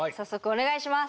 お願いします！